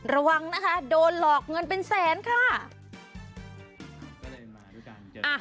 ระวังนะคะโดนหลอกเงินเป็นแสนค่ะ